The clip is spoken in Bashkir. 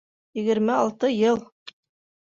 Егерме алты йыл!